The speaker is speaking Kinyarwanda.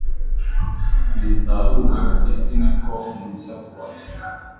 risaruwe ku giti, ni ko umugisha tubona